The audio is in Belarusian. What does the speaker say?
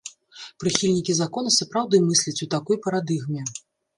Прыхільнікі закона сапраўды мысляць у такой парадыгме.